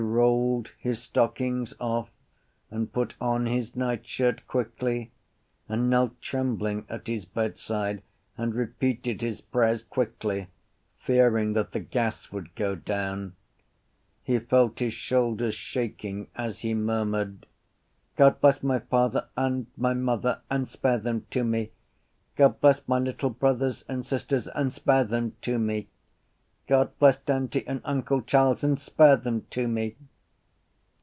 He rolled his stockings off and put on his nightshirt quickly and knelt trembling at his bedside and repeated his prayers quickly, fearing that the gas would go down. He felt his shoulders shaking as he murmured: God bless my father and my mother and spare them to me! God bless my little brothers and sisters and spare them to me! God bless Dante and uncle Charles and spare them to me!